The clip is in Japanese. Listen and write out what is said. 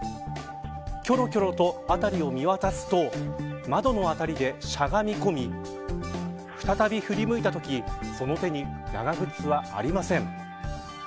きょろきょろと辺りを見回すと窓のあたりでしゃがみこみ再び振り向いたときその手に長靴はありません。